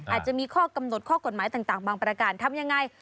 อาจจะมีข้อกำหนดข้อกฎหมายต่างบางประการทำยังไง